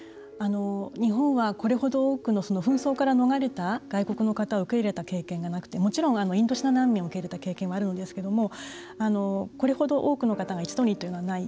日本は、これほど多くの紛争から逃れた外国の方を受け入れた経験がなくてもちろんインドシナ難民を受け入れた経験はあるんですけれどもこれほど多くの方が一度にというのはない。